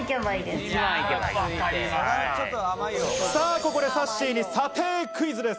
ここで、さっしーに査定クイズです。